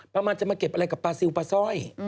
ประมาณจะมาเก็บอะไรกับปลาซิลปลาสร้อย